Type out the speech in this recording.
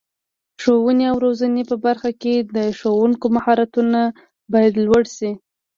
د ښوونې او روزنې په برخه کې د ښوونکو مهارتونه باید لوړ شي.